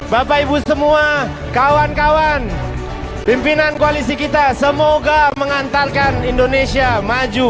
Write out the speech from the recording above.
bapak ibu semua kawan kawan pimpinan koalisi kita semoga mengantarkan indonesia maju